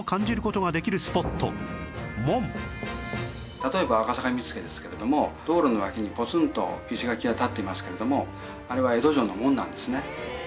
例えば赤坂見附ですけれども道路の脇にポツンと石垣が立っていますけれどもあれは江戸城の門なんですね。